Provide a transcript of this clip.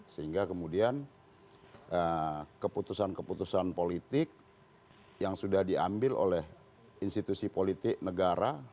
sehingga kemudian keputusan keputusan politik yang sudah diambil oleh institusi politik negara